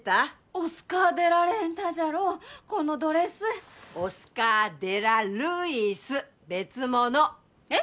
オスカー・デ・ラ・レンタじゃろこのドレスオスカー・デ・ラ・ルイス別物えっ？